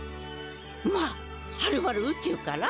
まあはるばる宇宙から？